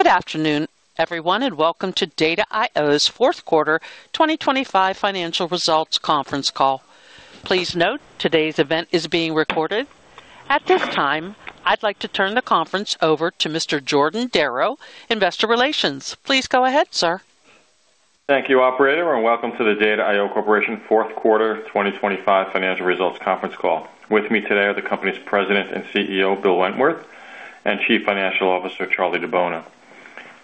Good afternoon, everyone, and welcome to Data I/O's Fourth Quarter 2025 Financial Results Conference Call. Please note today's event is being recorded. At this time, I'd like to turn the conference over to Mr. Jordan Darrow, Investor Relations. Please go ahead, sir. Thank you, operator. Welcome to the Data I/O Corporation fourth quarter 2025 financial results conference call. With me today are the company's President and CEO, Bill Wentworth, and Chief Financial Officer, Charlie DiBona.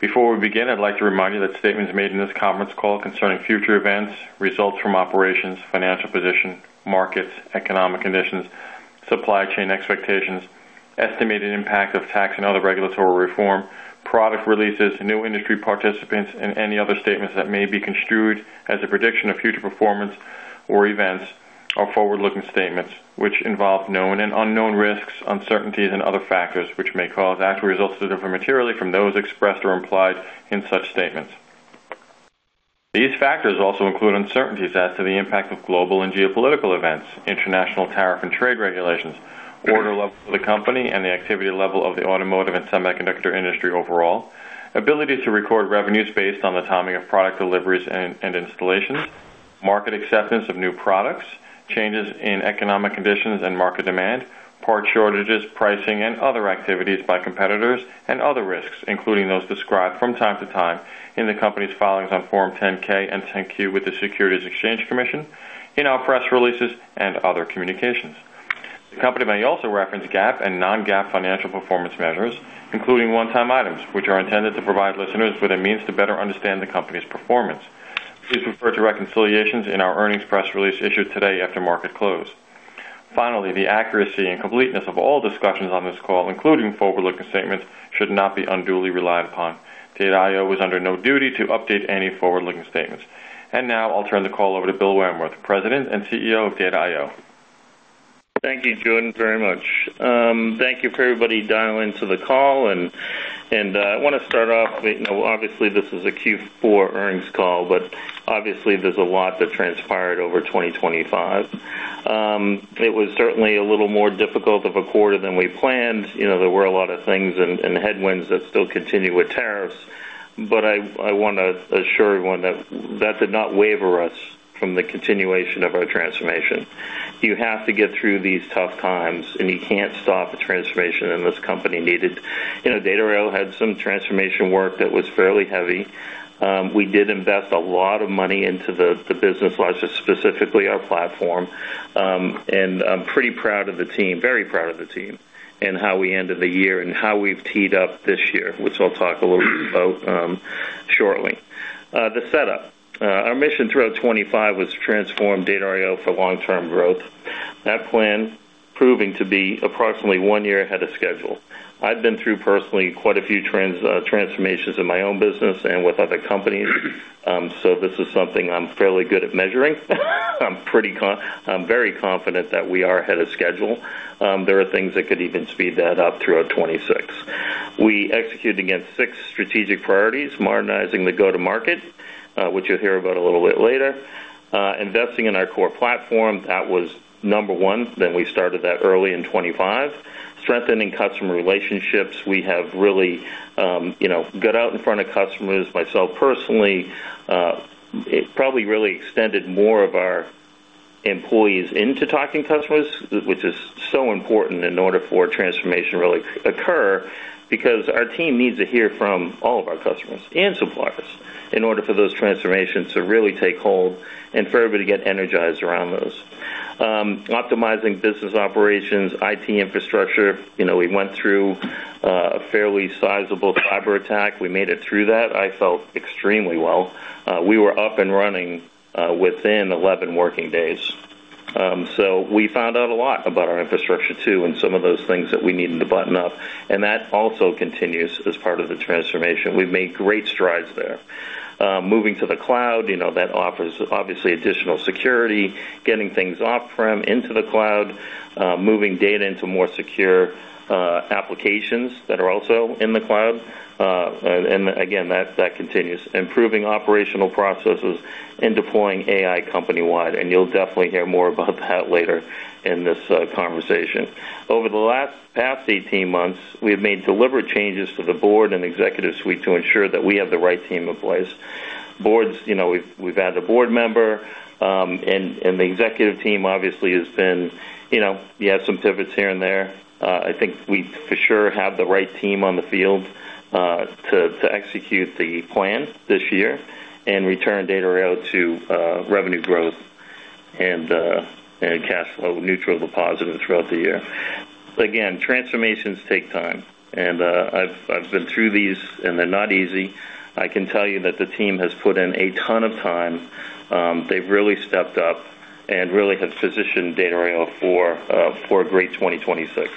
Before we begin, I'd like to remind you that statements made in this conference call concerning future events, results from operations, financial position, markets, economic conditions, supply chain expectations, estimated impact of tax and other regulatory reform, product releases, new industry participants, and any other statements that may be construed as a prediction of future performance or events are forward-looking statements which involve known and unknown risks, uncertainties, and other factors which may cause actual results to differ materially from those expressed or implied in such statements. These factors also include uncertainties as to the impact of global and geopolitical events, international tariff and trade regulations, order level of the company and the activity level of the automotive and semiconductor industry overall, ability to record revenues based on the timing of product deliveries and installations, market acceptance of new products, changes in economic conditions and market demand, part shortages, pricing and other activities by competitors, and other risks, including those described from time to time in the company's filings on Form 10-K and 10-Q with the Securities and Exchange Commission, in our press releases and other communications. The company may also reference GAAP and non-GAAP financial performance measures, including one-time items, which are intended to provide listeners with a means to better understand the company's performance. Please refer to reconciliations in our earnings press release issued today after market close. Finally, the accuracy and completeness of all discussions on this call, including forward-looking statements, should not be unduly relied upon. Data I/O is under no duty to update any forward-looking statements. Now I'll turn the call over to Bill Wentworth, President and CEO of Data I/O. Thank you, Jordan, very much. Thank you for everybody dialing into the call. I want to start off with, you know, obviously this is a Q4 earnings call, but obviously there's a lot that transpired over 2025. It was certainly a little more difficult of a quarter than we planned. You know, there were a lot of things and headwinds that still continue with tariffs. I want to assure everyone that that did not waver us from the continuation of our transformation. You have to get through these tough times, and you can't stop the transformation, and this company needed. You know, Data I/O had some transformation work that was fairly heavy. We did invest a lot of money into the business logic, specifically our platform. I'm pretty proud of the team, very proud of the team, and how we ended the year and how we've teed up this year, which I'll talk a little bit about shortly. The setup. Our mission throughout 2025 was to transform Data I/O for long-term growth. That plan proving to be approximately 1 year ahead of schedule. I've been through personally quite a few transformations in my own business and with other companies. So this is something I'm fairly good at measuring. I'm very confident that we are ahead of schedule. There are things that could even speed that up throughout 2026. We executed against six strategic priorities, modernizing the go-to-market, which you'll hear about a little bit later. Investing in our core platform, that was number 1. We started that early in 2025. Strengthening customer relationships. We have really, you know, got out in front of customers. Myself personally, it probably really extended more of our employees into talking to customers, which is so important in order for a transformation to really occur, because our team needs to hear from all of our customers and suppliers in order for those transformations to really take hold and for everybody to get energized around those. Optimizing business operations, IT infrastructure. You know, we went through a fairly sizable cyber attack. We made it through that, I felt, extremely well. We were up and running within 11 working days. We found out a lot about our infrastructure too, and some of those things that we needed to button up, and that also continues as part of the transformation. We've made great strides there. Moving to the cloud, you know, that offers obviously additional security, getting things off-prem into the cloud, moving data into more secure, applications that are also in the cloud. Again, that continues. Improving operational processes and deploying AI company-wide, and you'll definitely hear more about that later in this conversation. Over the past 18 months, we have made deliberate changes to the board and executive suite to ensure that we have the right team in place. Boards, you know, we've added a board member, and the executive team obviously has been, you know, you have some pivots here and there. I think we for sure have the right team on the field to execute the plan this year and return Data I/O to revenue growth and cash flow neutral to positive throughout the year. Again, transformations take time, I've been through these, and they're not easy. I can tell you that the team has put in a ton of time. They've really stepped up and really have positioned Data I/O for a great 2026.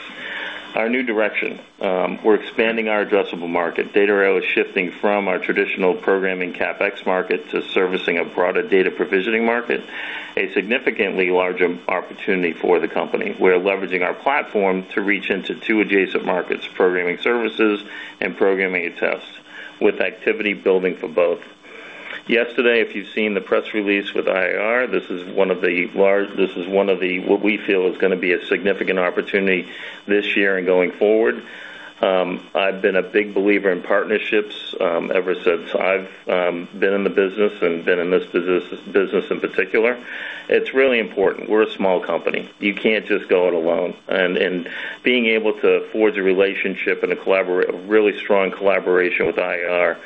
Our new direction. We're expanding our addressable market. Data I/O is shifting from our traditional programming CapEx market to servicing a broader data provisioning market, a significantly larger opportunity for the company. We're leveraging our platform to reach into two adjacent markets, programming services and programming tests, with activity building for both. Yesterday, if you've seen the press release with IAR, this is one of the, what we feel is gonna be a significant opportunity this year and going forward. I've been a big believer in partnerships, ever since I've been in the business and been in this business in particular. It's really important. We're a small company. You can't just go it alone. Being able to forge a relationship and a really strong collaboration with IAR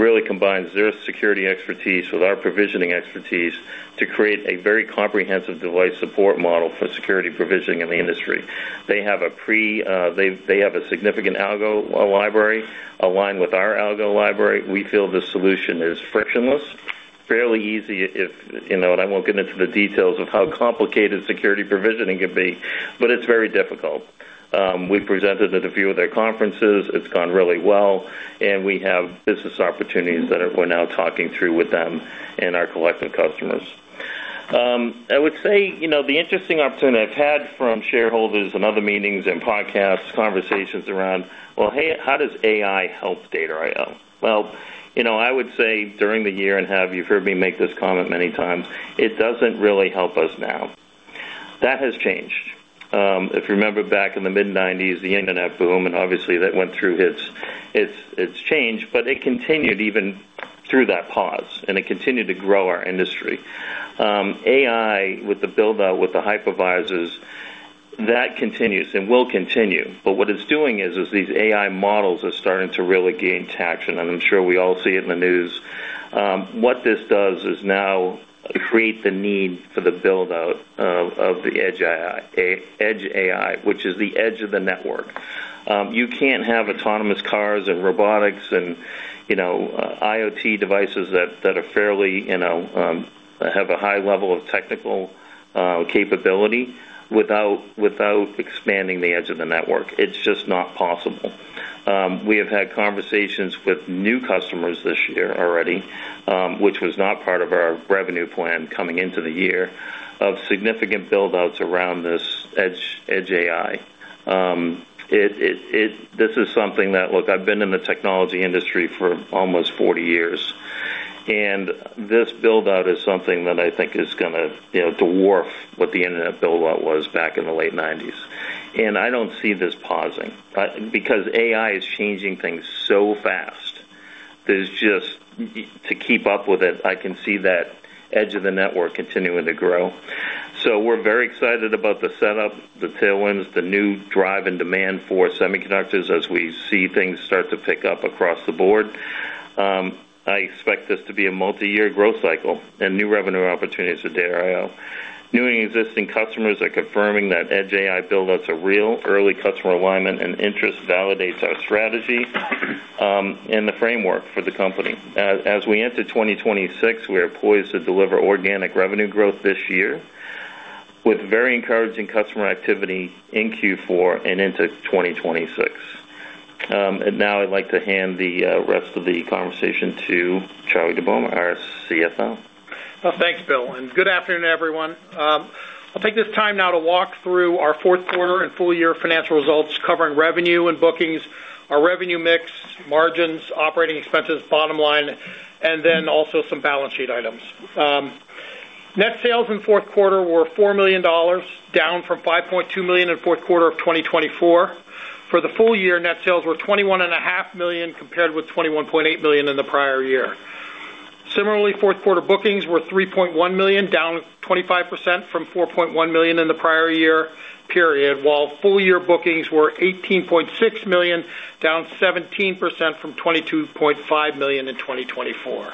really combines their security expertise with our provisioning expertise to create a very comprehensive device support model for security provisioning in the industry. They have a significant algo library aligned with our algo library. We feel the solution is frictionless, fairly easy if, you know, and I won't get into the details of how complicated security provisioning can be, but it's very difficult. We presented at a few of their conferences. It's gone really well, and we have business opportunities we're now talking through with them and our collective customers. I would say, you know, the interesting opportunity I've had from shareholders and other meetings and podcasts, conversations around, well, hey, how does AI help Data I/O? You know, I would say during the year, you've heard me make this comment many times, it doesn't really help us now. That has changed. If you remember back in the mid-'90s, the internet boom, obviously that went through its change, but it continued even through that pause, it continued to grow our industry. AI with the build-out, with the hypervisors, that continues and will continue. What it's doing is these AI models are starting to really gain traction, and I'm sure we all see it in the news. What this does is now create the need for the build-out of the edge AI, which is the edge of the network. You can't have autonomous cars and robotics and, you know, IoT devices that are fairly, you know, have a high level of technical capability without expanding the edge of the network. It's just not possible. We have had conversations with new customers this year already, which was not part of our revenue plan coming into the year, of significant build-outs around this edge AI. This is something that... Look, I've been in the technology industry for almost 40 years, this build-out is something that I think is gonna, you know, dwarf what the internet build-out was back in the late 1990s. I don't see this pausing because AI is changing things so fast, that it's just, to keep up with it, I can see that edge of the network continuing to grow. We're very excited about the setup, the tailwinds, the new drive and demand for semiconductors as we see things start to pick up across the board. I expect this to be a multi-year growth cycle and new revenue opportunities for Data I/O. New and existing customers are confirming that edge AI build-out's a real early customer alignment, and interest validates our strategy and the framework for the company. As we enter 2026, we are poised to deliver organic revenue growth this year with very encouraging customer activity in Q4 and into 2026. Now I'd like to hand the rest of the conversation to Charlie DiBona, our CFO. Well, thanks, Bill, and good afternoon, everyone. I'll take this time now to walk through our fourth quarter and full year financial results covering revenue and bookings, our revenue mix, margins, operating expenses, bottom line, and then also some balance sheet items. Net sales in fourth quarter were $4 million, down from $5.2 million in fourth quarter of 2024. For the full year, net sales were twenty-one and a half million compared with $21.8 million in the prior year. Similarly, fourth quarter bookings were $3.1 million, down 25% from $4.1 million in the prior year period, while full year bookings were $18.6 million, down 17% from $22.5 million in 2024.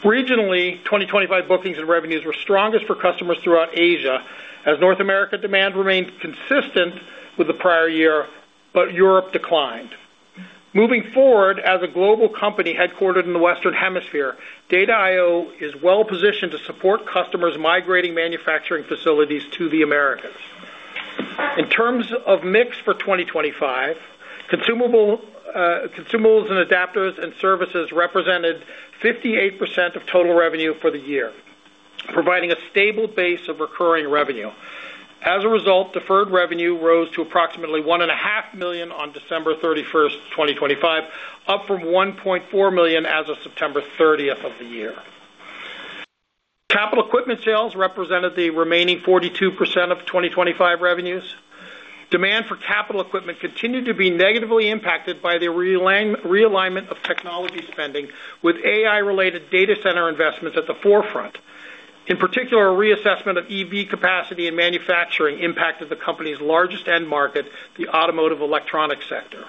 Regionally, 2025 bookings and revenues were strongest for customers throughout Asia, as North America demand remained consistent with the prior year, but Europe declined. Moving forward, as a global company headquartered in the Western Hemisphere, Data I/O is well positioned to support customers migrating manufacturing facilities to the Americas. In terms of mix for 2025, consumable, consumables and adapters and services represented 58% of total revenue for the year, providing a stable base of recurring revenue. As a result, deferred revenue rose to approximately $1.5 million on December 31, 2025, up from $1.4 million as of September 30 of the year. Capital equipment sales represented the remaining 42% of 2025 revenues. Demand for capital equipment continued to be negatively impacted by the realignment of technology spending with AI-related data center investments at the forefront. In particular, a reassessment of EV capacity and manufacturing impacted the company's largest end market, the automotive electronics sector.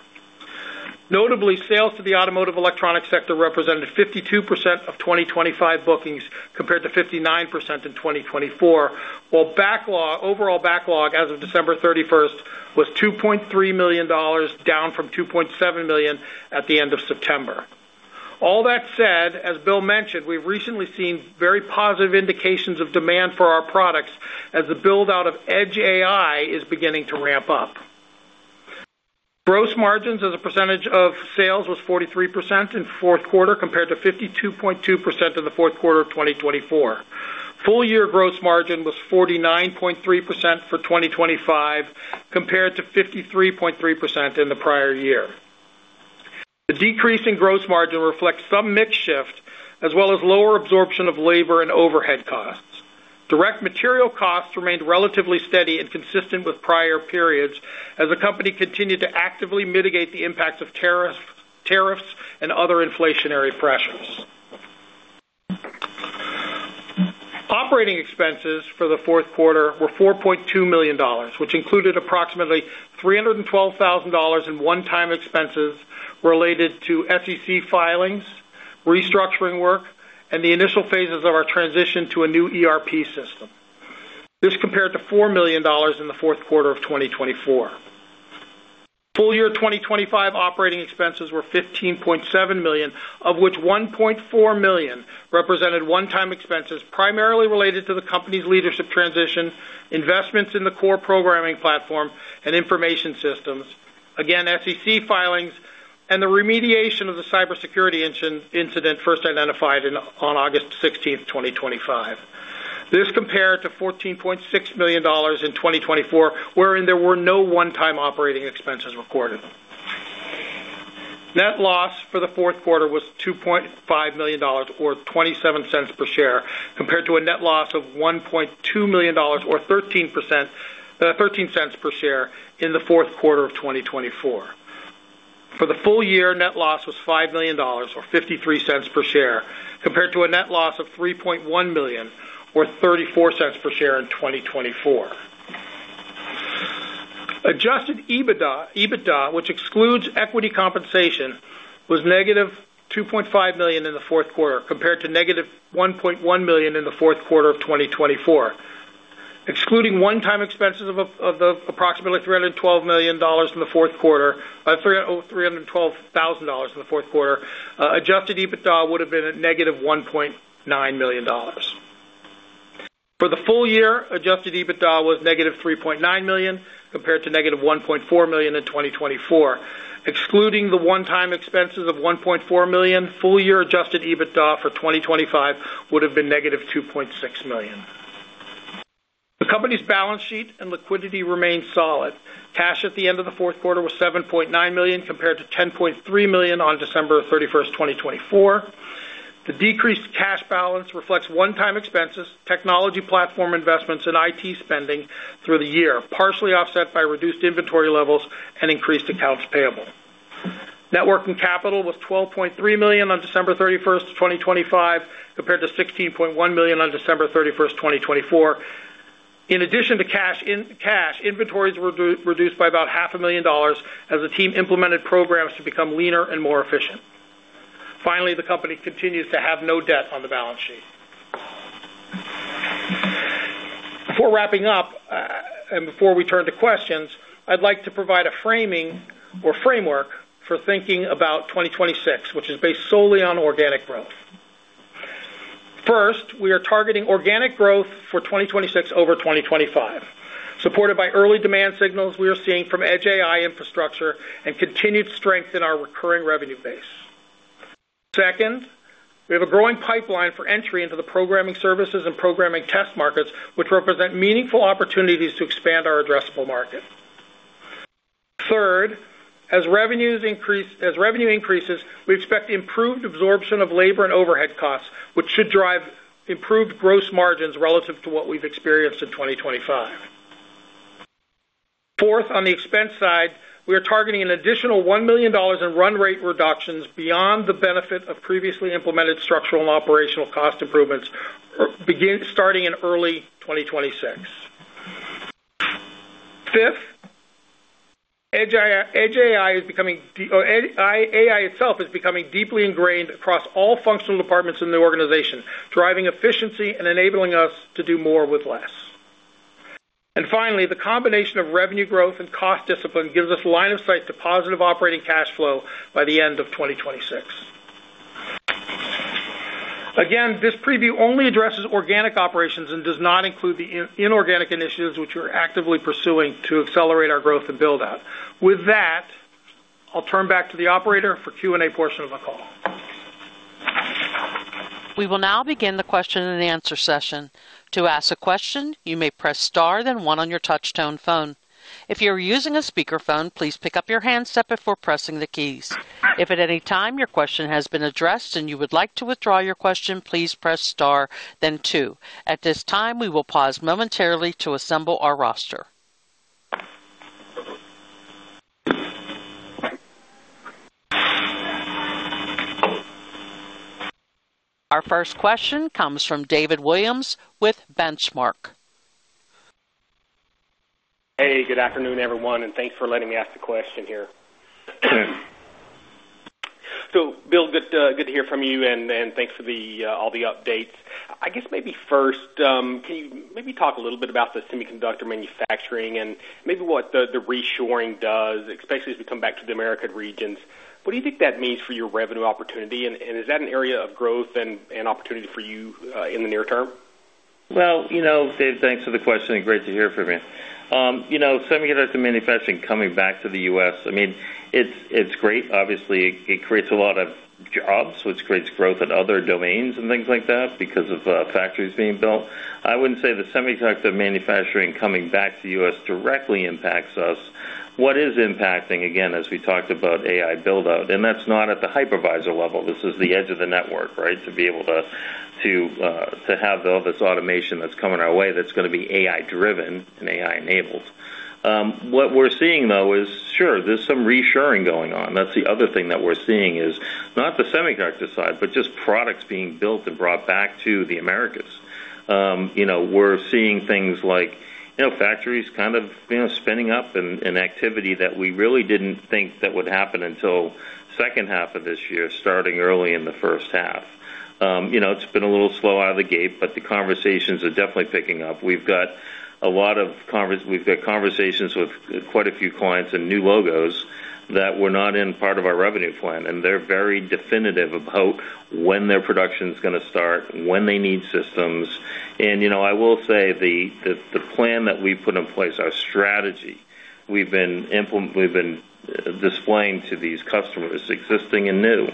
Notably, sales to the automotive electronics sector represented 52% of 2025 bookings, compared to 59% in 2024, while overall backlog as of December 31st was $2.3 million, down from $2.7 million at the end of September. All that said, as Bill mentioned, we've recently seen very positive indications of demand for our products as the build-out of edge AI is beginning to ramp up. Gross margins as a percentage of sales was 43% in fourth quarter, compared to 52.2% in the fourth quarter of 2024. Full year gross margin was 49.3% for 2025 compared to 53.3% in the prior year. The decrease in gross margin reflects some mix shift as well as lower absorption of labor and overhead costs. Direct material costs remained relatively steady and consistent with prior periods as the company continued to actively mitigate the impacts of tariffs and other inflationary pressures. Operating expenses for the fourth quarter were $4.2 million, which included approximately $312,000 in one-time expenses related to SEC filings, restructuring work, and the initial phases of our transition to a new ERP system. This compared to $4 million in the fourth quarter of 2024. Full year 2025 operating expenses were $15.7 million, of which $1.4 million represented one-time expenses primarily related to the company's leadership transition, investments in the core programming platform and information systems, again, SEC filings, and the remediation of the cybersecurity incident first identified on August 16th, 2025. This compared to $14.6 million in 2024, wherein there were no one-time operating expenses recorded. Net loss for the fourth quarter was $2.5 million, or $0.27 per share, compared to a net loss of $1.2 million or $0.13 per share in the fourth quarter of 2024. For the full year, net loss was $5 million or $0.53 per share, compared to a net loss of $3.1 million or $0.34 per share in 2024. Adjusted EBITDA, which excludes equity compensation, was -$2.5 million in the fourth quarter compared to -$1.1 million in the fourth quarter of 2024. Excluding one-time expenses of approximately $312,000 in the fourth quarter, Adjusted EBITDA would have been at -$1.9 million. For the full year, Adjusted EBITDA was -$3.9 million compared to -$1.4 million in 2024. Excluding the one-time expenses of $1.4 million, full year Adjusted EBITDA for 2025 would have been -$2.6 million. The company's balance sheet and liquidity remain solid. Cash at the end of the fourth quarter was $7.9 million compared to $10.3 million on December 31st, 2024. The decreased cash balance reflects one-time expenses, technology platform investments and IT spending through the year, partially offset by reduced inventory levels and increased accounts payable. Net working capital was $12.3 million on December 31st, 2025, compared to $16.1 million on December 31st, 2024. In addition to cash in cash, inventories were reduced by about $500,000 as the team implemented programs to become leaner and more efficient. The company continues to have no debt on the balance sheet. Before wrapping up, and before we turn to questions, I'd like to provide a framing or framework for thinking about 2026, which is based solely on organic growth. We are targeting organic growth for 2026 over 2025, supported by early demand signals we are seeing from Edge AI infrastructure and continued strength in our recurring revenue base. Second, we have a growing pipeline for entry into the programming services and programming test markets, which represent meaningful opportunities to expand our addressable market. Third, as revenue increases, we expect improved absorption of labor and overhead costs, which should drive improved gross margins relative to what we've experienced in 2025. Fourth, on the expense side, we are targeting an additional $1 million in run rate reductions beyond the benefit of previously implemented structural and operational cost improvements starting in early 2026. Fifth, Edge AI is becoming or AI itself is becoming deeply ingrained across all functional departments in the organization, driving efficiency and enabling us to do more with less. Finally, the combination of revenue growth and cost discipline gives us line of sight to positive operating cash flow by the end of 2026. Again, this preview only addresses organic operations and does not include the inorganic initiatives which we're actively pursuing to accelerate our growth and build out. With that, I'll turn back to the operator for Q&A portion of the call. We will now begin the question and answer session. To ask a question, you may press star, then one on your touch-tone phone. If you're using a speakerphone, please pick up your handset before pressing the keys. If at any time your question has been addressed and you would like to withdraw your question, please press star then two. At this time, we will pause momentarily to assemble our roster. Our first question comes from David Williams with Benchmark. Hey, good afternoon, everyone, and thanks for letting me ask the question here. Bill, good to hear from you, and thanks for the all the updates. I guess maybe first, can you maybe talk a little bit about the semiconductor manufacturing and maybe what the reshoring does, especially as we come back to the American regions. What do you think that means for your revenue opportunity? Is that an area of growth and opportunity for you, in the near term? Well, you know, Dave, thanks for the question. Great to hear from you. you know, semiconductor manufacturing coming back to the U.S., I mean, it's great. Obviously, it creates a lot of jobs, which creates growth in other domains and things like that because of factories being built. I wouldn't say the semiconductor manufacturing coming back to U.S. directly impacts us. What is impacting, again, as we talked about AI build-out, and that's not at the hypervisor level, this is the edge of the network, right? To be able to have all this automation that's coming our way that's gonna be AI-driven and AI-enabled. What we're seeing, though, is sure, there's some reshoring going on. That's the other thing that we're seeing is not the semiconductor side, but just products being built and brought back to the Americas. You know, we're seeing things like, you know, factories kind of, you know, spinning up and activity that we really didn't think that would happen until second half of this year, starting early in the first half. You know, it's been a little slow out of the gate, but the conversations are definitely picking up. We've got a lot of conversations with quite a few clients and new logos that were not in part of our revenue plan, and they're very definitive about when their production's gonna start, when they need systems. You know, I will say the plan that we put in place, our strategy, we've been displaying to these customers, existing and new,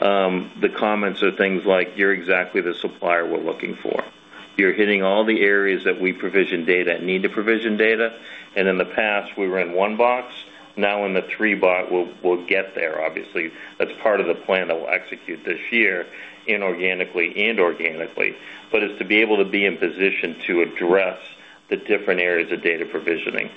the comments are things like, "You're exactly the supplier we're looking for. You're hitting all the areas that we provision data and need to provision data. In the past, we were in 1 box. Now in the 3. We'll get there, obviously. That's part of the plan that we'll execute this year inorganically and organically. It's to be able to be in position to address the different areas of data provisioning.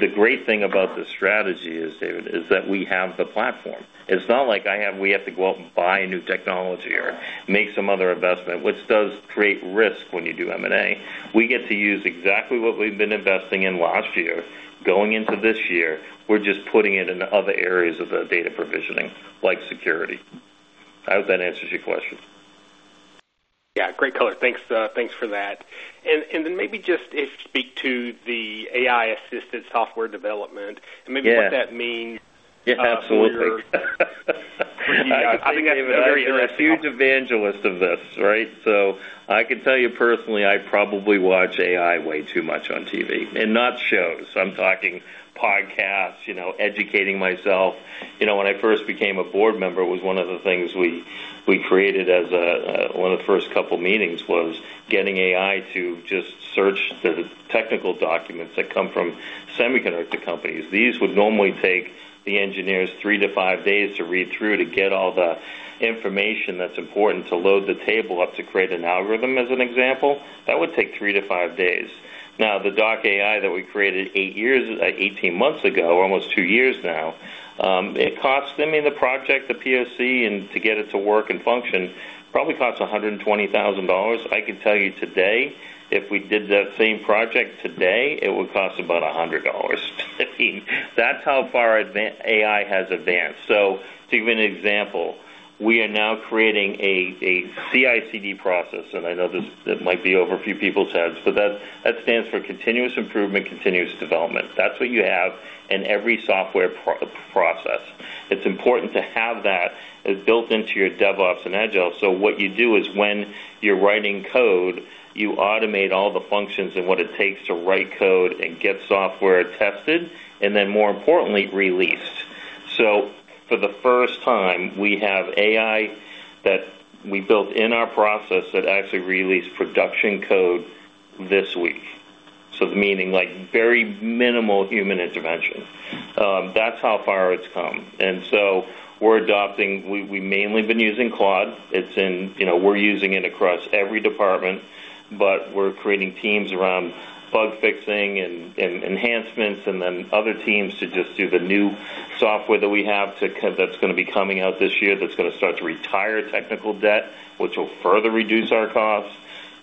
The great thing about this strategy is, David, is that we have the platform. It's not like we have to go out and buy new technology or make some other investment, which does create risk when you do M&A. We get to use exactly what we've been investing in last year, going into this year. We're just putting it into other areas of the data provisioning, like security. I hope that answers your question. Yeah, great color. Thanks, thanks for that. Maybe just, if you speak to the AI-assisted software development? Yeah. Maybe what that means. Yeah, absolutely. For your- I think I've been a very huge evangelist of this, right? I can tell you personally, I probably watch AI way too much on TV, and not shows. I'm talking podcasts, you know, educating myself. You know, when I first became a board member, it was one of the things we created as one of the first couple meetings was getting AI to just search the technical documents that come from semiconductor companies. These would normally take the engineers 3 to 5 days to read through to get all the information that's important to load the table up to create an algorithm, as an example. That would take 3 to 5 days. The doc AI that we created 18 months ago, almost 2 years now, it cost them in the project, the POC, and to get it to work and function, probably cost $120,000. I can tell you today, if we did that same project today, it would cost about $100. That's how far AI has advanced. To give you an example, we are now creating a CICD process, and I know this, it might be over a few people's heads, but that stands for continuous improvement, continuous development. That's what you have in every software process. It's important to have that built into your DevOps and Agile. What you do is when you're writing code, you automate all the functions and what it takes to write code and get software tested, and then more importantly, released. For the first time, we have AI that we built in our process that actually released production code this week. Meaning, like, very minimal human intervention. That's how far it's come. We're adopting. We mainly been using Claude. It's in, you know, we're using it across every department, but we're creating teams around bug fixing and enhancements, and then other teams to just do the new software that we have to that's gonna be coming out this year, that's gonna start to retire technical debt, which will further reduce our costs.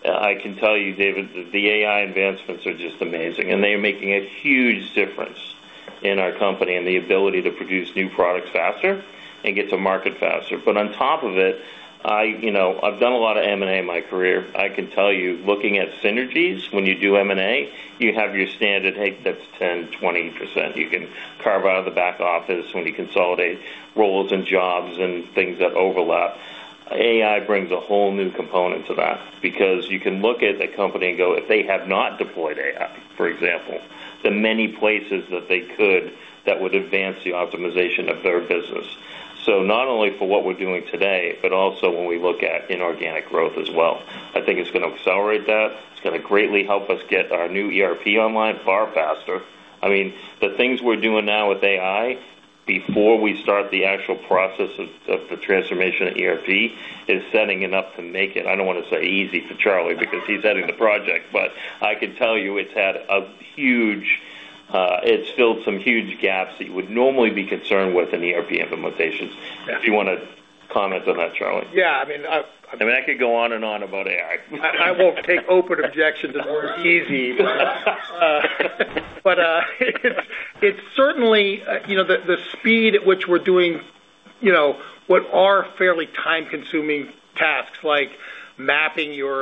I can tell you, David, that the AI advancements are just amazing, and they are making a huge difference in our company and the ability to produce new products faster and get to market faster. On top of it, I, you know, I've done a lot of M&A in my career. I can tell you, looking at synergies, when you do M&A, you have your standard, hey, that's 10%, 20% you can carve out of the back office when you consolidate roles and jobs and things that overlap. AI brings a whole new component to that because you can look at a company and go, if they have not deployed AI, for example, the many places that they could that would advance the optimization of their business. Not only for what we're doing today, but also when we look at inorganic growth as well. I think it's gonna accelerate that. It's gonna greatly help us get our new ERP online far faster. I mean, the things we're doing now with AI before we start the actual process of the transformation of ERP is setting it up to make it, I don't wanna say easy for Charlie because he's heading the project, but I can tell you it's had a huge, it's filled some huge gaps that you would normally be concerned with in ERP implementations. If you wanna comment on that, Charlie. Yeah. I mean. I mean, I could go on and on about AI. I won't take open objections of the word easy. It's certainly, you know, the speed at which we're doing, you know, what are fairly time-consuming tasks, like mapping your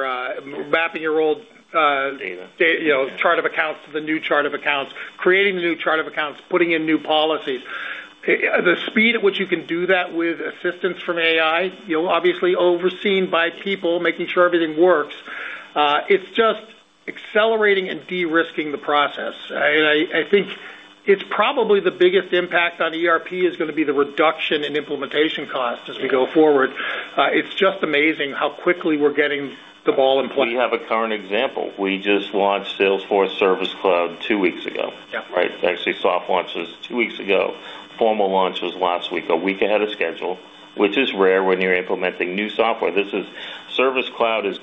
old... Data. You know, chart of accounts to the new chart of accounts, creating the new chart of accounts, putting in new policies. The speed at which you can do that with assistance from AI, you know, obviously overseen by people making sure everything works, it's just accelerating and de-risking the process. I think it's probably the biggest impact on ERP is gonna be the reduction in implementation costs as we go forward. It's just amazing how quickly we're getting the ball in play. We have a current example. We just launched Salesforce Service Cloud two weeks ago. Yeah. Right? Actually, soft launch was two weeks ago. Formal launch was last week, a week ahead of schedule, which is rare when you're implementing new software. Service Cloud is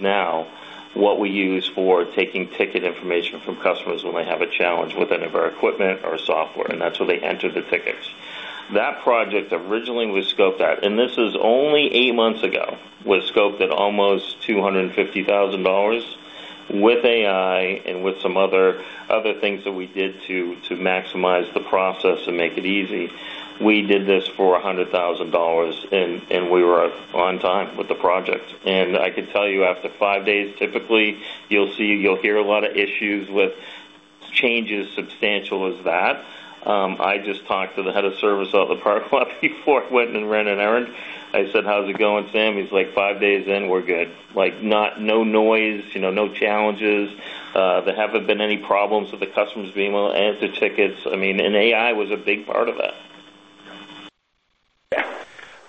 now what we use for taking ticket information from customers when they have a challenge with any of our equipment or software, and that's where they enter the tickets. That project originally was scoped at, and this is only eight months ago, was scoped at almost $250,000. With AI and with some other things that we did to maximize the process and make it easy, we did this for $100,000, and we were on time with the project. I can tell you after five days, typically you'll hear a lot of issues with changes substantial as that. I just talked to the head of service out at the park before I went and ran an errand. I said, "How's it going, Sam?" He's like, "Five days in, we're good." Like, no noise, you know, no challenges. There haven't been any problems with the customers being able to answer tickets. I mean, AI was a big part of that.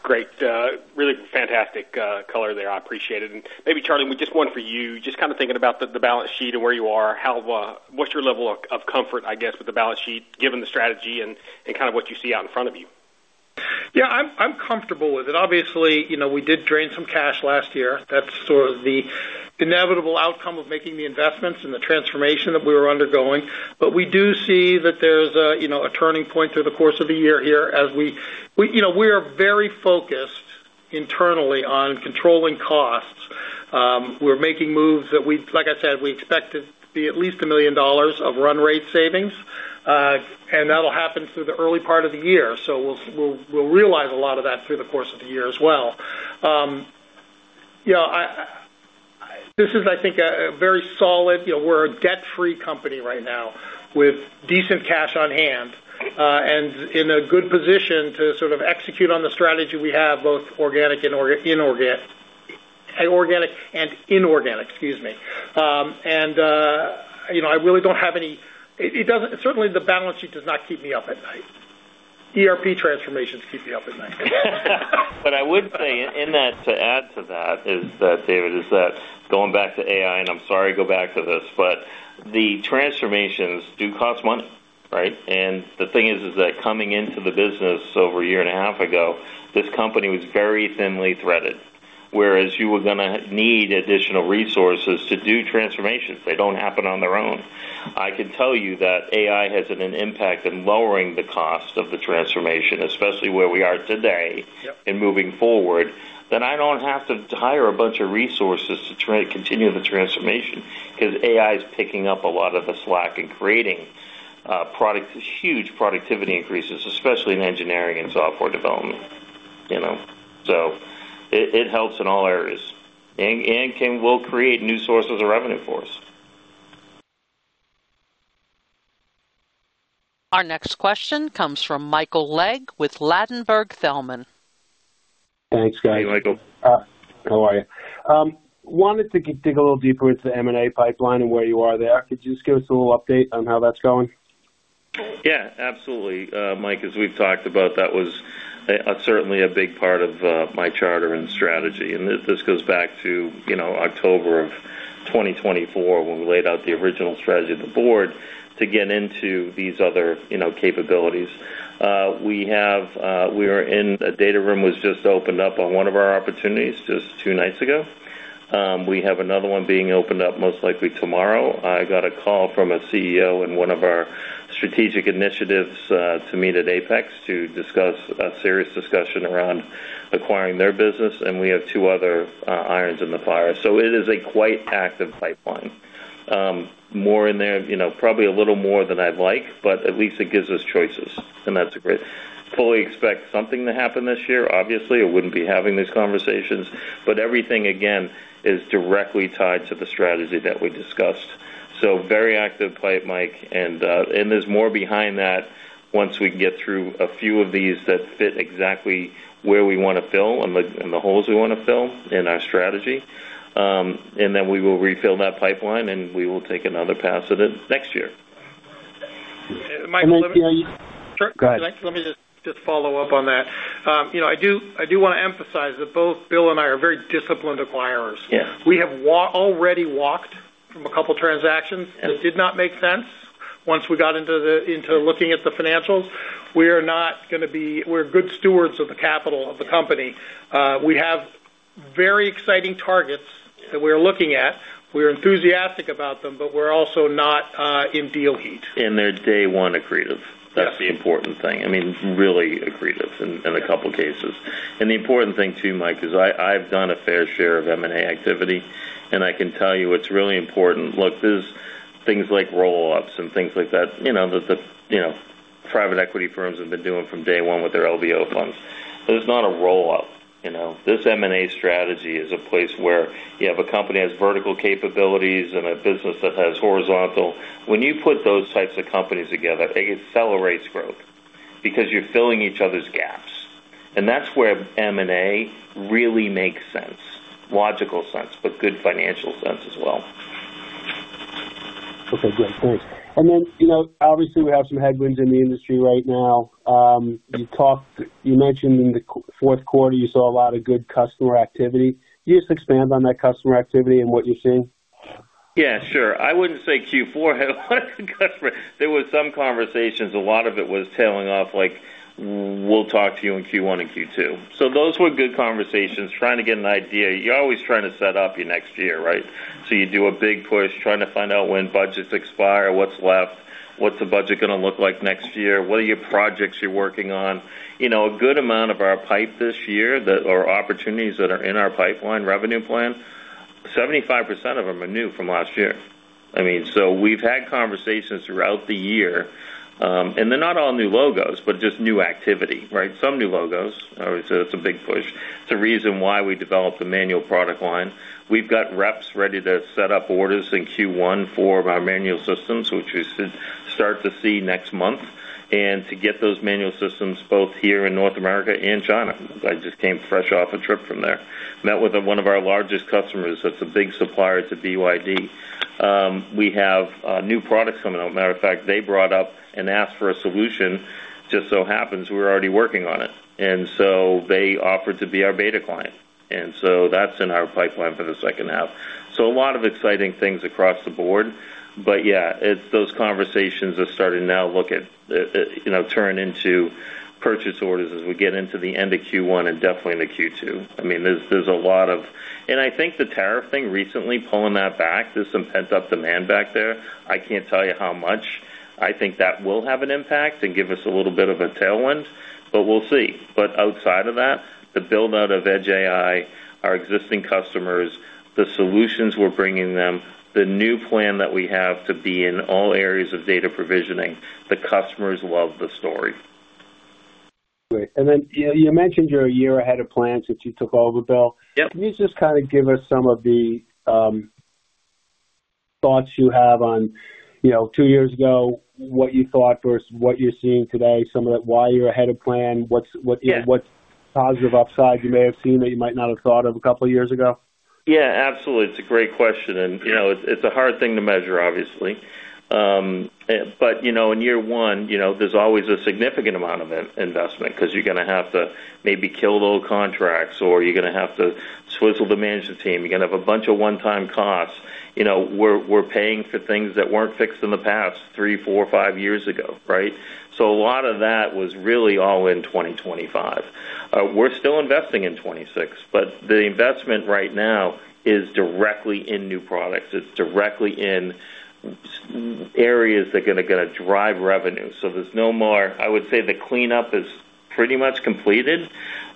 Yeah. Great. really fantastic, color there. I appreciate it. Maybe, Charlie, just one for you. Just kind of thinking about the balance sheet and where you are, how what's your level of comfort, I guess, with the balance sheet, given the strategy and kind of what you see out in front of you? Yeah, I'm comfortable with it. Obviously, you know, we did drain some cash last year. That's sort of the inevitable outcome of making the investments and the transformation that we were undergoing. We do see that there's a, you know, a turning point through the course of the year here as we. You know, we are very focused internally on controlling costs. We're making moves that, like I said, we expect to be at least $1 million of run rate savings. And that'll happen through the early part of the year. We'll realize a lot of that through the course of the year as well. You know, I, this is, I think, a very solid. You know, we're a debt-free company right now with decent cash on hand, and in a good position to sort of execute on the strategy we have, both organic and inorganic. Excuse me. You know, I really don't have any... It doesn't-- Certainly, the balance sheet does not keep me up at night. ERP transformations keep me up at night. I would say in that, to add to that is that, David, is that going back to AI, and I'm sorry to go back to this, but the transformations do cost money, right? The thing is that coming into the business over a year and a half ago, this company was very thinly threaded. Whereas you were gonna need additional resources to do transformations. They don't happen on their own. I can tell you that AI has had an impact in lowering the cost of the transformation, especially where we are today. Yep. Moving forward, then I don't have to hire a bunch of resources to try to continue the transformation, 'cause AI is picking up a lot of the slack and creating, product, huge productivity increases, especially in engineering and software development, you know. It, it helps in all areas and will create new sources of revenue for us. Our next question comes from Michael Legg with Ladenburg Thalmann. Thanks, guys. Hey, Michael. How are you? Wanted to dig a little deeper into the M&A pipeline and where you are there. Could you just give us a little update on how that's going? Yeah, absolutely. Mike, as we've talked about, that was certainly a big part of my charter and strategy. This, this goes back to, you know, October of 2024 when we laid out the original strategy of the board to get into these other, you know, capabilities. We have a data room was just opened up on one of our opportunities just two nights ago. We have another one being opened up most likely tomorrow. I got a call from a CEO in one of our strategic initiatives to meet at Apex to discuss a serious discussion around acquiring their business, and we have two other irons in the fire. It is a quite active pipeline. More in there, you know, probably a little more than I'd like, but at least it gives us choices, and that's great. Fully expect something to happen this year. Obviously, I wouldn't be having these conversations. Everything, again, is directly tied to the strategy that we discussed. Very active pipe, Mike. There's more behind that once we get through a few of these that fit exactly where we wanna fill and the holes we wanna fill in our strategy. Then we will refill that pipeline, and we will take another pass at it next year. Mike. Sure. Go ahead. Let me just follow up on that. You know, I do wanna emphasize that both Bill and I are very disciplined acquirers. Yes. We have already walked from a couple transactions that did not make sense once we got into looking at the financials. We're good stewards of the capital of the company. We have very exciting targets that we are looking at. We're enthusiastic about them, but we're also not in deal heat. They're day one accretive. Yes. That's the important thing. I mean, really accretive in a couple cases. The important thing too, Mike, is I've done a fair share of M&A activity, and I can tell you it's really important. Look, there's things like roll-ups and things like that, you know, that the, you know, private equity firms have been doing from day one with their LBO funds. It's not a roll-up. You know, this M&A strategy is a place where you have a company that has vertical capabilities and a business that has horizontal. When you put those types of companies together, it accelerates growth because you're filling each other's gaps. That's where M&A really makes sense, logical sense, but good financial sense as well. Okay, great. Thanks. You know, obviously we have some headwinds in the industry right now. You mentioned in the fourth quarter you saw a lot of good customer activity. Can you just expand on that customer activity and what you're seeing? Yeah, sure. I wouldn't say Q4 had a lot of customer. There were some conversations. A lot of it was tailing off like, "We'll talk to you in Q1 and Q2." Those were good conversations. Trying to get an idea. You're always trying to set up your next year, right? You do a big push trying to find out when budgets expire, what's left, what's the budget gonna look like next year? What are your projects you're working on? You know, a good amount of our pipe this year that are opportunities that are in our pipeline revenue plan, 75% of them are new from last year. I mean, we've had conversations throughout the year, and they're not all new logos, but just new activity, right? Some new logos. It's a big push. It's the reason why we developed the manual product line. We've got reps ready to set up orders in Q1 for our manual systems, which we should start to see next month. To get those manual systems both here in North America and China. I just came fresh off a trip from there. Met with one of our largest customers, that's a big supplier to BYD. We have new products coming out. Matter of fact, they brought up and asked for a solution. Just so happens we're already working on it. They offered to be our beta client. That's in our pipeline for the second half. A lot of exciting things across the board. Yeah, those conversations are starting now. Look at, you know, turn into purchase orders as we get into the end of Q1 and definitely into Q2. I mean, there's a lot of... I think the tariff thing recently pulling that back, there's some pent-up demand back there. I can't tell you how much. I think that will have an impact and give us a little bit of a tailwind, but we'll see. Outside of that, the build out of edge AI, our existing customers, the solutions we're bringing them, the new plan that we have to be in all areas of data provisioning. The customers love the story. Great. You know, you mentioned you're a year ahead of plans since you took over, Bill. Yep. Can you just kind of give us some of the thoughts you have on, you know, two years ago, what you thought versus what you're seeing today, some of that, why you're ahead of plan? Yeah. What positive upside you may have seen that you might not have thought of a couple of years ago? Absolutely. It's a great question, and you know, it's a hard thing to measure, obviously. You know, in year one, you know, there's always a significant amount of in-investment because you're gonna have to maybe kill old contracts or you're gonna have to swizzle the management team. You're gonna have a bunch of one-time costs. You know, we're paying for things that weren't fixed in the past three, four, five years ago, right? A lot of that was really all in 2025. We're still investing in 2026, but the investment right now is directly in new products. It's directly in areas that are gonna drive revenue. There's no more... I would say the cleanup is pretty much completed.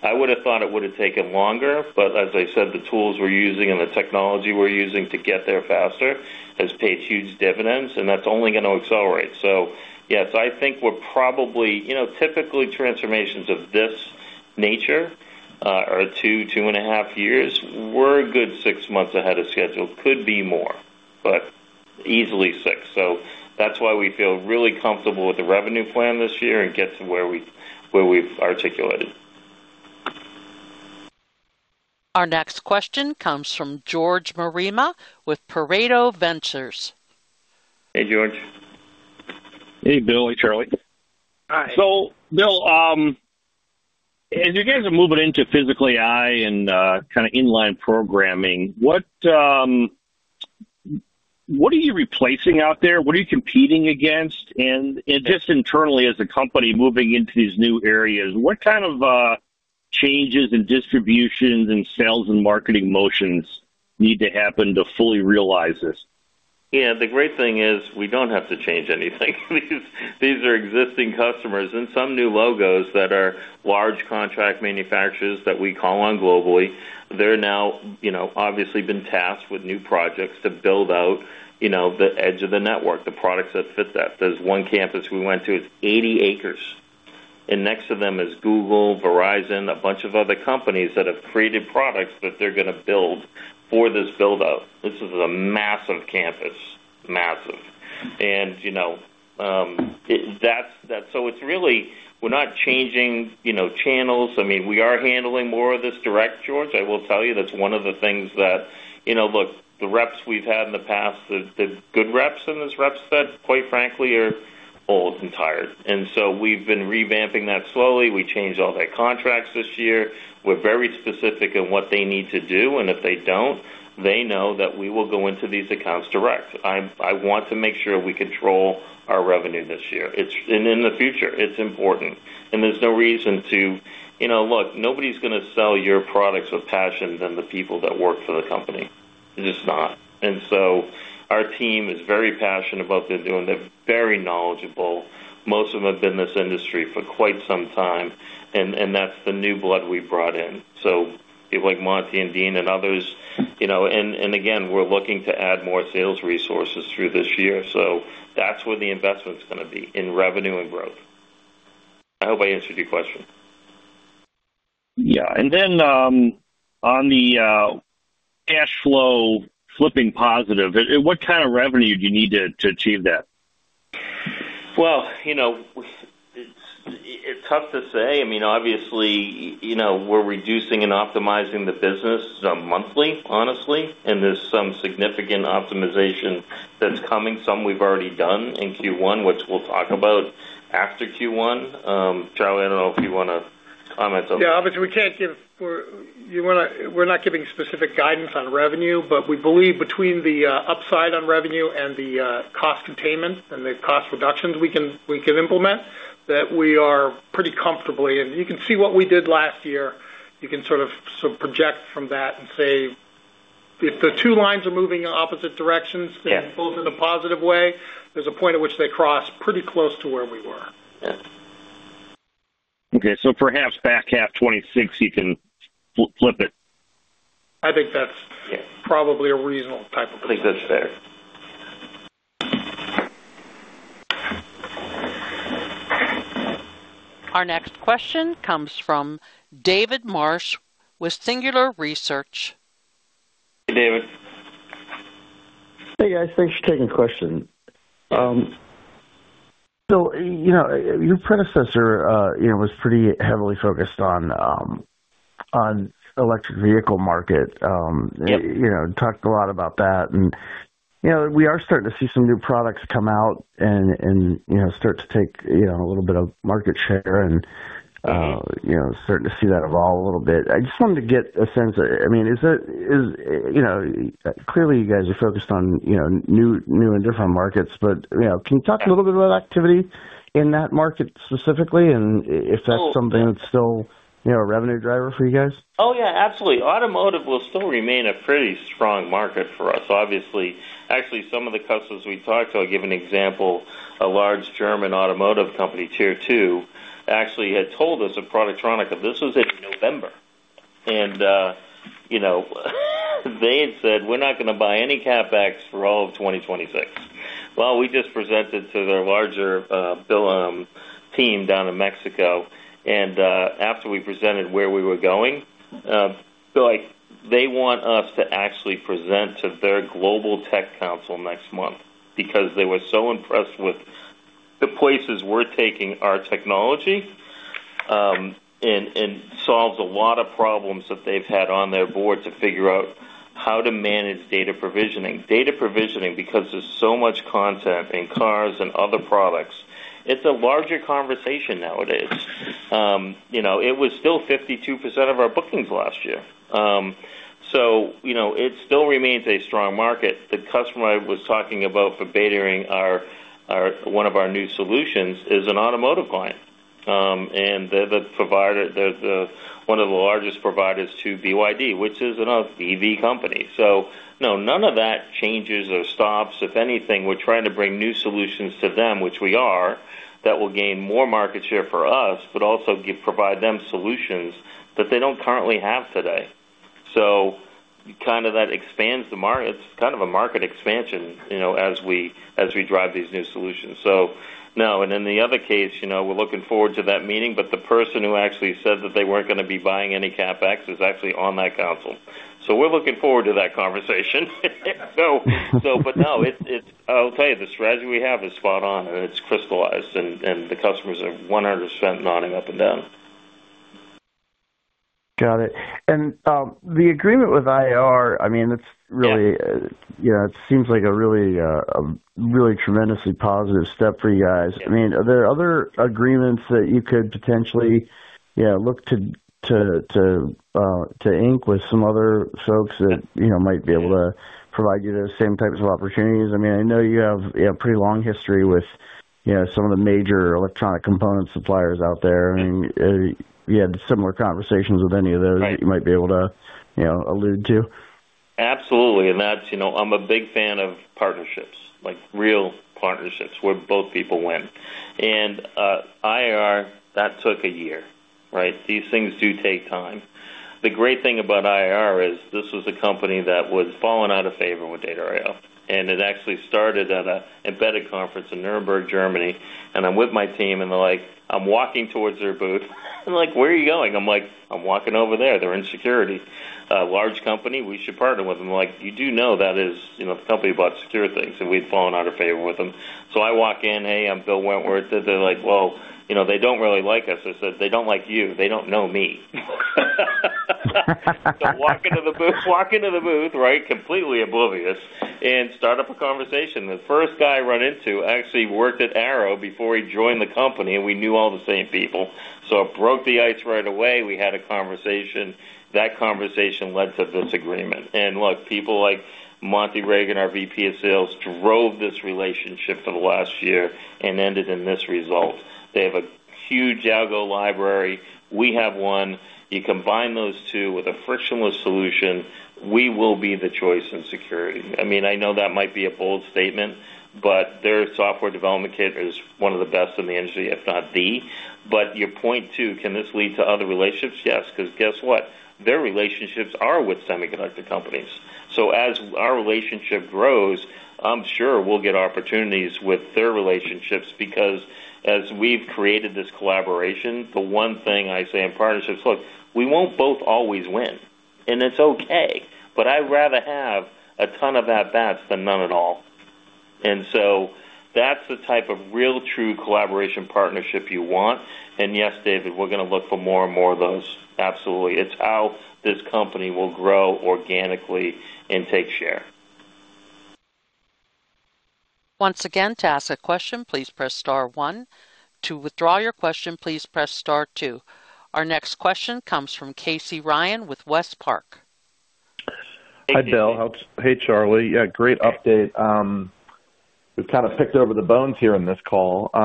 I would have thought it would have taken longer, but as I said, the tools we're using and the technology we're using to get there faster has paid huge dividends, and that's only gonna accelerate. Yes, I think we're probably. You know, typically transformations of this nature are 2 and a half years. We're a good 6 months ahead of schedule. Could be more, but easily 6. That's why we feel really comfortable with the revenue plan this year and get to where we've articulated. Our next question comes from George Marema with Pareto Ventures. Hey, George. Hey, Bill and Charlie. Hi. Bill, as you guys are moving into physical AI and kind of inline programming, what are you replacing out there? What are you competing against? Just internally as a company moving into these new areas, what kind of changes in distributions and sales and marketing motions need to happen to fully realize this? Yeah, the great thing is we don't have to change anything. These are existing customers and some new logos that are large contract manufacturers that we call on globally. They're now, you know, obviously been tasked with new projects to build out, you know, the edge of the network, the products that fit that. There's one campus we went to, it's 80 acres, and next to them is Google, Verizon, a bunch of other companies that have created products that they're gonna build for this build out. This is a massive campus. Massive. You know, so it's really we're not changing, you know, channels. I mean, we are handling more of this direct, George. I will tell you that's one of the things that, you know, look, the reps we've had in the past, there's good reps, and there's reps that quite frankly, are old and tired. We've been revamping that slowly. We changed all their contracts this year. We're very specific in what they need to do, and if they don't, they know that we will go into these accounts direct. I want to make sure we control our revenue this year. In the future, it's important. There's no reason to. You know, look, nobody's gonna sell your products with passion than the people that work for the company. They're just not. Our team is very passionate about what they're doing. They're very knowledgeable. Most of them have been in this industry for quite some time, and that's the new blood we brought in. People like Monty and Dean and others, you know. Again, we're looking to add more sales resources through this year. That's where the investment's going to be, in revenue and growth. I hope I answered your question. Yeah. On the cash flow flipping positive, what kind of revenue do you need to achieve that? Well, you know, it's tough to say. I mean, obviously, you know, we're reducing and optimizing the business monthly, honestly. There's some significant optimization that's coming. Some we've already done in Q1, which we'll talk about after Q1. Charlie, I don't know if you want to comment on that. Yeah. Obviously, we can't give. We're not giving specific guidance on revenue, but we believe between the upside on revenue and the cost containment and the cost reductions we can implement that we are pretty comfortably. You can see what we did last year. You can sort of project from that and say, if the two lines are moving in opposite directions, then both in a positive way, there's a point at which they cross pretty close to where we were. Yeah. Okay. Perhaps back half 2026, you can flip it. I think that's probably a reasonable. I think that's fair. Our next question comes from David Marsh with Singular Research. Hey, David. Hey, guys. Thanks for taking the question. You know, your predecessor, you know, was pretty heavily focused on electric vehicle market. Yeah. You know, talked a lot about that. You know, we are starting to see some new products come out and, you know, start to take, you know, a little bit of market share and, you know, starting to see that evolve a little bit. I just wanted to get a sense. I mean, is it, you know. Clearly, you guys are focused on, you know, new and different markets, but, you know, can you talk a little bit about activity in that market specifically and if that's something that's still, you know, a revenue driver for you guys? Oh, yeah, absolutely. Automotive will still remain a pretty strong market for us, obviously. Actually, some of the customers we talked to, I'll give an example. A large German automotive company, tier two, actually had told us at Productronica. This was in November. You know, they had said, "We're not gonna buy any CapEx for all of 2026." Well, we just presented to their larger, Bill, team down in Mexico. After we presented where we were going, like, they want us to actually present to their global tech council next month because they were so impressed with the places we're taking our technology, and solves a lot of problems that they've had on their board to figure out how to manage data provisioning. Data provisioning, because there's so much content in cars and other products, it's a larger conversation nowadays. you know, it was still 52% of our bookings last year. you know, it still remains a strong market. The customer I was talking about for beta-ing one of our new solutions is an automotive client, and they're the provider, one of the largest providers to BYD, which is another EV company. No, none of that changes or stops. If anything, we're trying to bring new solutions to them, which we are, that will gain more market share for us, but also provide them solutions that they don't currently have today. Kind of that expands the market. It's kind of a market expansion, you know, as we, as we drive these new solutions. No. In the other case, you know, we're looking forward to that meeting, but the person who actually said that they weren't gonna be buying any CapEx is actually on that council. We're looking forward to that conversation. No, it's. I'll tell you, the strategy we have is spot on, and it's crystallized, and the customers are 100% nodding up and down. Got it. The agreement with IAR, I mean. Yeah. You know, it seems like a really, really tremendously positive step for you guys. I mean, are there other agreements that you could potentially, you know, look to ink with some other folks that, you know, might be able to provide you those same types of opportunities? I mean, I know you have a pretty long history with, you know, some of the major electronic component suppliers out there. I mean, you had similar conversations with any of those that you might be able to, you know, allude to? Absolutely. That's, you know, I'm a big fan of partnerships, like real partnerships where both people win. IAR, that took one year, right? These things do take time. The great thing about IAR is this was a company that was falling out of favor with Data I/O, and it actually started at an embedded conference in Nuremberg, Germany. I'm with my team, and they're like, I'm walking towards their booth, like, "Where are you going?" I'm like, "I'm walking over there. They're in security. A large company. We should partner with them." Like, "You do know that is, you know, the company about Secure Thingz, and we've fallen out of favor with them." I walk in, "Hey, I'm Bill Wentworth." They're like, "Well, you know, they don't really like us." I said, "They don't like you. They don't know me." Walk into the booth, right, completely oblivious, and start up a conversation. The first guy I run into actually worked at Arrow before he joined the company, and we knew all the same people. It broke the ice right away. We had a conversation. That conversation led to this agreement. Look, people like Monty Reagan, our VP of sales, drove this relationship for the last year and ended in this result. They have a huge algo library. We have one. You combine those two with a frictionless solution, we will be the choice in security. I mean, I know that might be a bold statement, but their software development kit is one of the best in the industry, if not the. Your point, too, can this lead to other relationships? Yes, because guess what? Their relationships are with semiconductor companies. As our relationship grows, I'm sure we'll get opportunities with their relationships because as we've created this collaboration, the one thing I say in partnerships, look, we won't both always win. It's okay, but I'd rather have a ton of at-bats than none at all. That's the type of real true collaboration partnership you want. Yes, David, we're gonna look for more and more of those. Absolutely. It's how this company will grow organically and take share. Once again, to ask a question, please press star one. To withdraw your question, please press star two. Our next question comes from Casey Ryan with WestPark. Hi, Bill. Hey, Charlie. Yeah, great update. We've kind of picked over the bones here in this call. You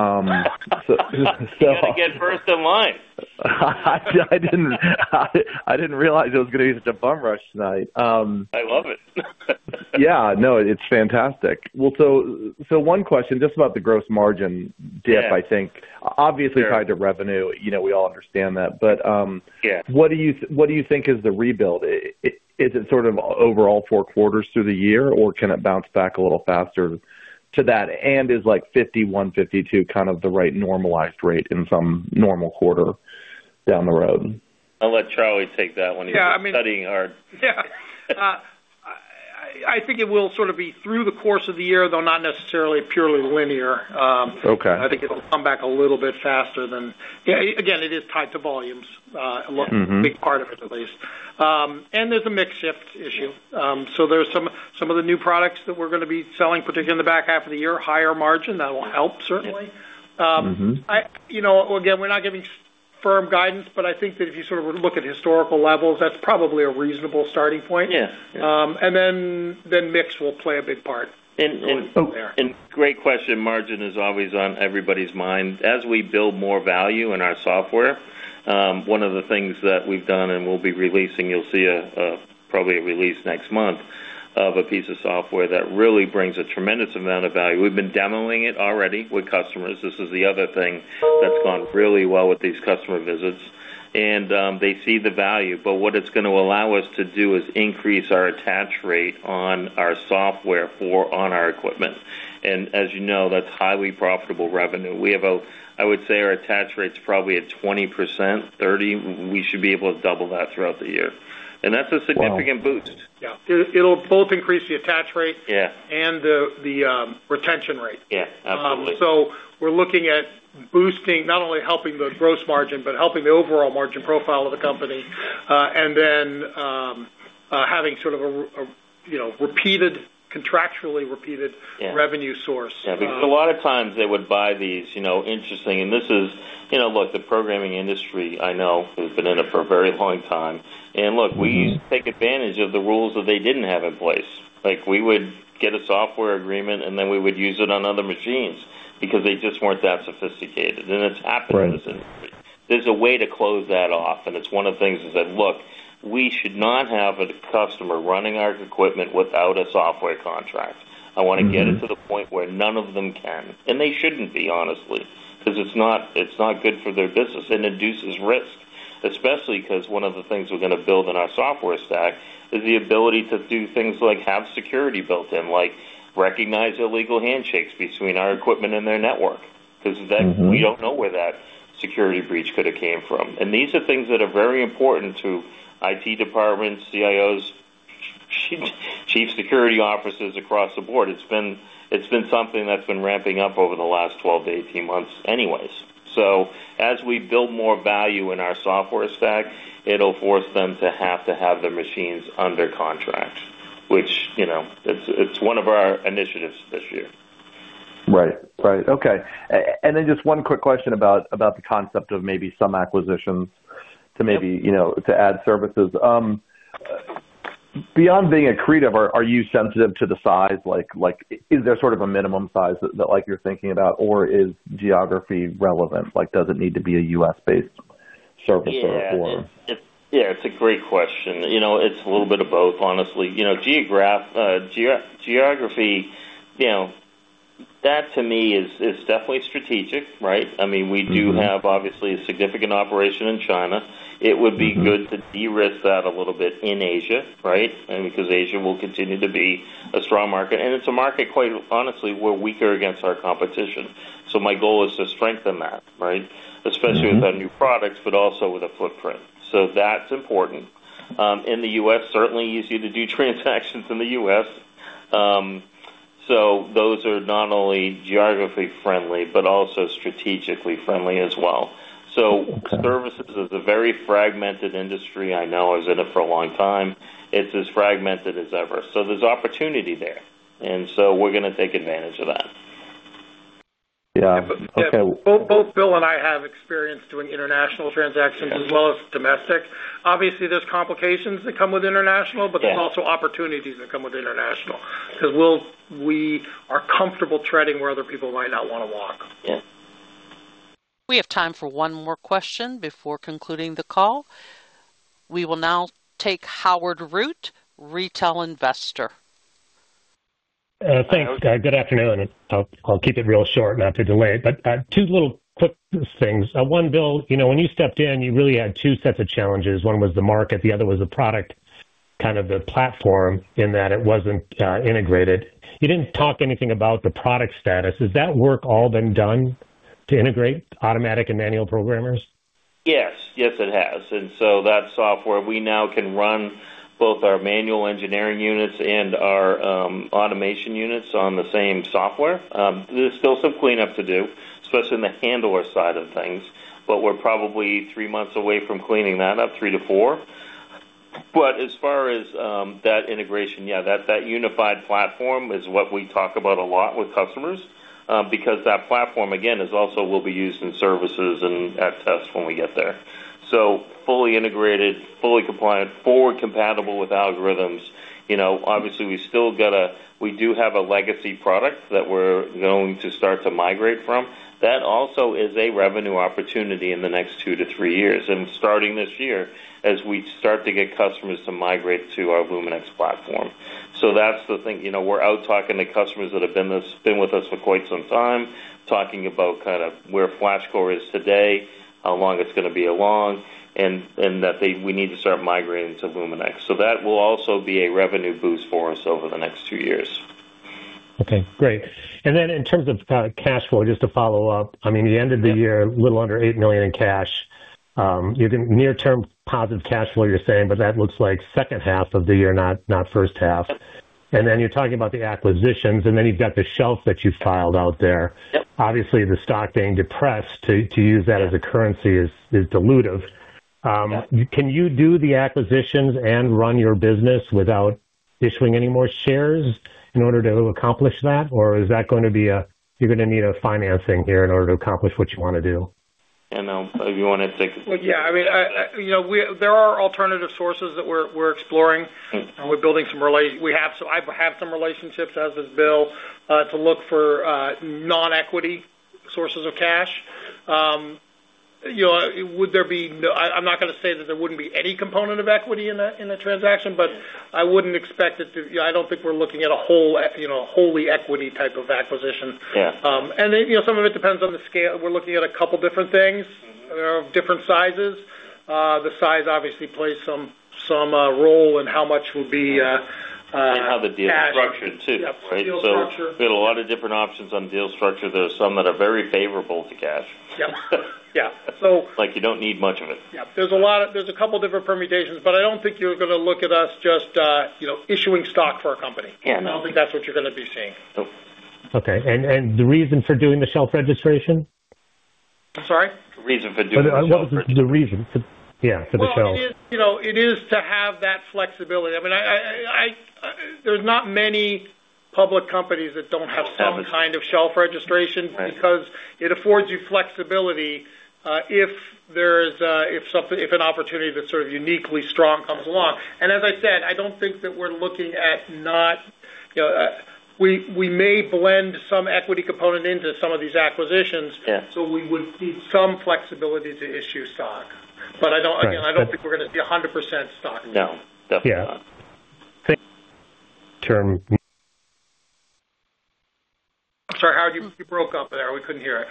gotta get first in line. I didn't realize it was gonna be such a bum rush tonight. I love it. Yeah. No, it's fantastic. Well, so 1 question just about the gross margin dip, I think. Yeah. Obviously tied to revenue, you know, we all understand that. Yeah. What do you think is the rebuild? Is it sort of overall four quarters through the year, or can it bounce back a little faster to that? Is like 51, 52 kind of the right normalized rate in some normal quarter down the road? I'll let Charlie take that one. Yeah, I mean... He's been studying hard. Yeah. I think it will sort of be through the course of the year, though not necessarily purely linear. Okay. I think it'll come back a little bit faster than. Yeah, again, it is tied to volumes. Mm-hmm. Big part of it at least. There's a mix shift issue. There's some of the new products that we're gonna be selling, particularly in the back half of the year, higher margin. That will help certainly. Mm-hmm. You know, again, we're not giving firm guidance, I think that if you sort of look at historical levels, that's probably a reasonable starting point. Yes. then mix will play a big part. Great question. Margin is always on everybody's mind. As we build more value in our software, one of the things that we've done and we'll be releasing, you'll see a probably a release next month of a piece of software that really brings a tremendous amount of value. We've been demoing it already with customers. This is the other thing that's gone really well with these customer visits, and they see the value. What it's gonna allow us to do is increase our attach rate on our software on our equipment. As you know, that's highly profitable revenue. I would say our attach rate's probably at 20%, 30%. We should be able to double that throughout the year. That's a significant boost. Wow. Yeah. It'll both increase the attach rate- Yeah. the retention rate. Yeah. Absolutely. We're looking at boosting, not only helping the gross margin, but helping the overall margin profile of the company, and then, having sort of a, you know, contractually repeated. Yeah. revenue source. Yeah, because a lot of times they would buy these, you know, interesting. This is, you know, look, the programming industry, I know. We've been in it for a very long time. Look, we used to take advantage of the rules that they didn't have in place. Like, we would get a software agreement, and then we would use it on other machines because they just weren't that sophisticated. It's happened in this industry. Right. There's a way to close that off, and it's one of the things is that, look, we should not have a customer running our equipment without a software contract. Mm-hmm. I wanna get it to the point where none of them can, and they shouldn't be, honestly, 'cause it's not, it's not good for their business. It induces risk, especially 'cause one of the things we're gonna build in our software stack is the ability to do things like have security built in, like recognize illegal handshakes between our equipment and their network. Mm-hmm. we don't know where that security breach could have came from. These are things that are very important to IT departments, CIOs, chief security officers across the board. It's been something that's been ramping up over the last 12 to 18 months anyways. As we build more value in our software stack, it'll force them to have to have their machines under contract, which, you know, it's one of our initiatives this year. Right. Right. Okay. Just one quick question about the concept of maybe some acquisitions to maybe, you know, to add services. Beyond being accretive, are you sensitive to the size? Like, is there sort of a minimum size that like you're thinking about, or is geography relevant? Like, does it need to be a U.S.-based service sort of? Yeah, it's a great question. You know, it's a little bit of both, honestly. You know, geography, you know, that to me is definitely strategic, right? Mm-hmm. I mean, we do have obviously a significant operation in China. Mm-hmm. It would be good to de-risk that a little bit in Asia, right? I mean, because Asia will continue to be a strong market. It's a market, quite honestly, we're weaker against our competition. My goal is to strengthen that, right? Mm-hmm. Especially with our new products, but also with a footprint. That's important. In the U.S., certainly easy to do transactions in the U.S. Those are not only geographically friendly but also strategically friendly as well. Okay. Services is a very fragmented industry. I know. I was in it for a long time. It's as fragmented as ever. There's opportunity there. We're gonna take advantage of that. Yeah. Okay. Both Bill and I have experience doing international transactions as well as domestic. Obviously, there's complications that come with international. Yeah. There's also opportunities that come with international because we are comfortable treading where other people might not wanna walk. Yeah. We have time for one more question before concluding the call. We will now take Howard Root, Retail Investor. Thanks. Good afternoon. I'll keep it real short not to delay. Two little quick things. One, Bill, you know, when you stepped in, you really had two sets of challenges. One was the market, the other was the product, kind of the platform, in that it wasn't integrated. You didn't talk anything about the product status. Has that work all been done to integrate automatic and manual programmers? Yes. Yes, it has. That software, we now can run both our manual engineering units and our automation units on the same software. There's still some cleanup to do, especially on the handler side of things, but we're probably three months away from cleaning that up, three to four. As far as that integration, yeah, that unified platform is what we talk about a lot with customers, because that platform, again, is also will be used in services and at tests when we get there. Fully integrated, fully compliant, forward compatible with algorithms. You know, obviously we still do have a legacy product that we're going to start to migrate from. That also is a revenue opportunity in the next two to three years and starting this year as we start to get customers to migrate to our LumenX platform. That's the thing. You know, we're out talking to customers that have been with us for quite some time, talking about kind of where FlashCORE is today, how long it's gonna be along, and that we need to start migrating to LumenX. That will also be a revenue boost for us over the next two years. Okay, great. In terms of cash flow, just to follow up, I mean, the end of the year, a little under $8 million in cash. You can near-term positive cash flow, you're saying, but that looks like second half of the year, not first half. You're talking about the acquisitions, and then you've got the shelf that you've filed out there. Yep. Obviously, the stock being depressed to use that as a currency is dilutive. Yeah. Can you do the acquisitions and run your business without issuing any more shares in order to accomplish that? Is that gonna be a, you're gonna need a financing here in order to accomplish what you wanna do? I know. If you wanna take it. Well, yeah, I mean, I, you know, there are alternative sources that we're exploring. Mm-hmm. I have some relationships, as does Bill, to look for non-equity sources of cash. You know, I'm not gonna say that there wouldn't be any component of equity in a transaction, but I wouldn't expect it to... You know, I don't think we're looking at a whole, you know, wholly equity type of acquisition. Yeah. You know, some of it depends on the scale. We're looking at a couple different things. Mm-hmm. Of different sizes. The size obviously plays some role in how much will be cash. How the deal is structured too. Yeah, deal structure. We have a lot of different options on deal structure. There are some that are very favorable to cash. Yeah. Yeah. Like, you don't need much of it. Yeah. There's a couple different permutations, but I don't think you're gonna look at us just, you know, issuing stock for a company. Yeah, no. I don't think that's what you're gonna be seeing. Okay. The reason for doing the shelf registration? I'm sorry? The reason for doing the shelf registration. The reason for, yeah, for the shelf. Well, it is, you know, it is to have that flexibility. I mean, there's not many public companies that don't have some kind of shelf registration because it affords you flexibility if there's if something, if an opportunity that's sort of uniquely strong comes along. As I said, I don't think that we're looking at not, you know... We, we may blend some equity component into some of these acquisitions. Yeah. We would need some flexibility to issue stock. I don't, again, I don't think we're gonna see 100% stock. No. Definitely not. Yeah. Term. I'm sorry. You broke up there. We couldn't hear it.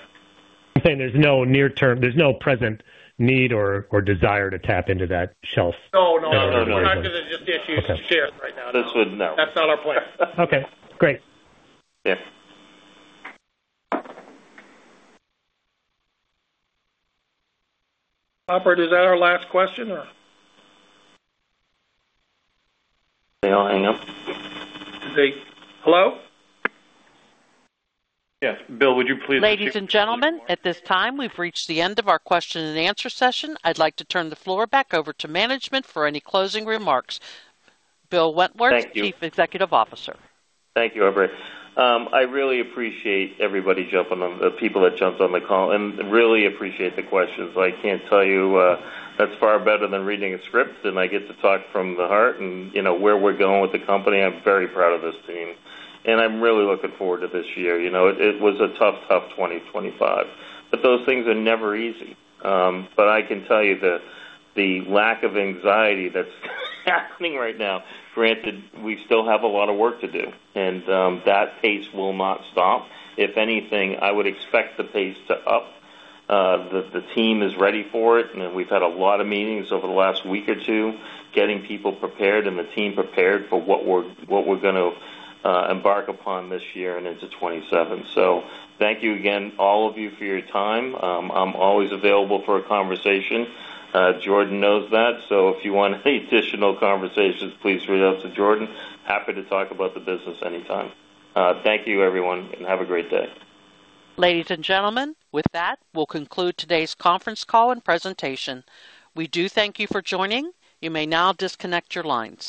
I'm saying there's no near term, there's no present need or desire to tap into that shelf. No, no. No, no. We're not gonna just issue shares right now. No. That's not our plan. Okay, great. Yeah. Operator, is that our last question or? They all hang up. Did they? Hello? Yes. Bill, would you please- Ladies and gentlemen, at this time, we've reached the end of our question and answer session. I'd like to turn the floor back over to management for any closing remarks. Bill Wentworth- Thank you. Chief Executive Officer. Thank you, operator. I really appreciate everybody jumping on the call and really appreciate the questions. I can't tell you, that's far better than reading a script, and I get to talk from the heart and, you know, where we're going with the company. I'm very proud of this team, and I'm really looking forward to this year. You know, it was a tough 2025, but those things are never easy. I can tell you the lack of anxiety that's happening right now, granted, we still have a lot of work to do, and that pace will not stop. If anything, I would expect the pace to up. The, the team is ready for it, and we've had a lot of meetings over the last week or two, getting people prepared and the team prepared for what we're, what we're gonna embark upon this year and into 2027. Thank you again, all of you, for your time. I'm always available for a conversation. Jordan knows that, so if you want any additional conversations, please reach out to Jordan. Happy to talk about the business anytime. Thank you, everyone, and have a great day. Ladies and gentlemen, with that, we'll conclude today's conference call and presentation. We do thank you for joining. You may now disconnect your lines.